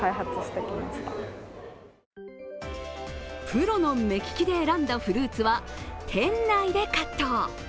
プロの目利きで選んだフルーツは店内でカット。